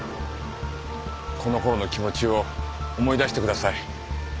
この頃の気持ちを思い出してください。